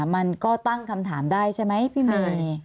มันก็ตั้งคำถามได้ใช่ไหมพี่เมย์